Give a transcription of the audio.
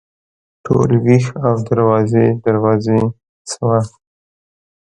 ټول ویښ او دروازې، دروازې شوه